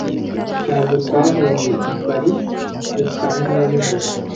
Ntabwo twahuye i Paris rukara niwe wabivuze